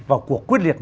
vào cuộc quyết liệt